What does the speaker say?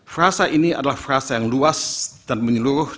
frasa ini adalah frasa yang luas dan menyeluruh